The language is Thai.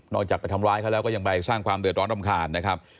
จากไปทำร้ายเขาแล้วก็ยังไปสร้างความเดือดร้อนรำคาญนะครับ